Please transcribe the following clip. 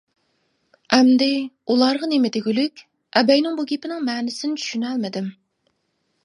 ئەمدى، ئۇلارغا نېمە دېگۈلۈك؟ ئەبەينىڭ بۇ گېپىنىڭ مەنىسىنى چۈشىنەلمىدىم.